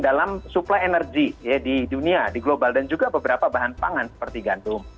dalam supply energy di dunia di global dan juga beberapa bahan pangan seperti gandum